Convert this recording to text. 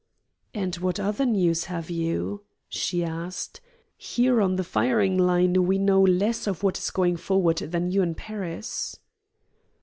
"And what other news have you?" she asked. "Here on the firing line we know less of what is going forward than you in Paris."